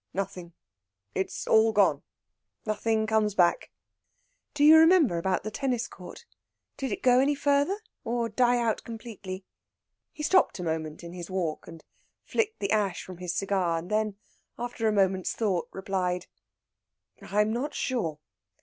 "Nothing! It is all gone. Nothing comes back." "Do you remember that about the tennis court? Did it go any further, or die out completely?" He stopped a moment in his walk, and flicked the ash from his cigar; then, after a moment's thought, replied: "I am not sure.